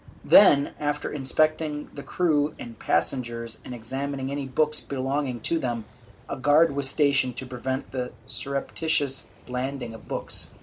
Then, after inspecting the crew and passengers and examining any books belonging to them, a guard was stationed to prevent the surreptitious landing of books.